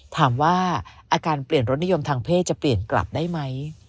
ถามว่าอาการเปลี่ยนรสนิยมทางเพศจะเปลี่ยนกลับได้ไหม